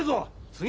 次！